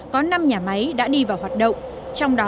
có năm nhà máy đã đi vào hoạt động